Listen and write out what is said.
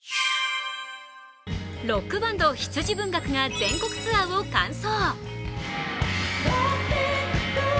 ロックバンド、羊文学が全国ツアーを完走。